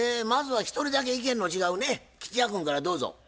まずは一人だけ意見の違うね吉弥君からどうぞ。